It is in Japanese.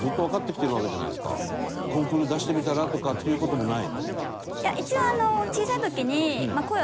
「コンクール出してみたら？」とかっていう事もないの？